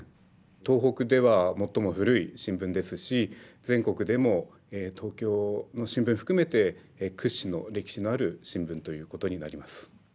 東北では最も古い新聞ですし全国でも東京の新聞含めて屈指の歴史のある新聞ということになります。